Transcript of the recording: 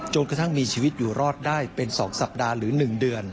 กระทั่งมีชีวิตอยู่รอดได้เป็น๒สัปดาห์หรือ๑เดือน